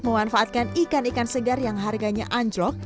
memanfaatkan ikan ikan segar yang harganya anjlok